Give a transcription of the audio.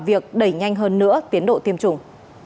việc đẩy nhanh hơn nữa tiến độ tiêm chủng